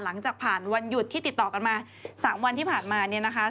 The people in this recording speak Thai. หลังจากผ่านวันหยุดที่ติดต่อกันมา๓วันที่ผ่านมาเนี่ยนะคะ